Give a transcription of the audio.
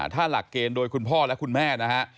ถ้าหลักเกณฑ์โดยคุณพ่อและคุณแม่นะฮะ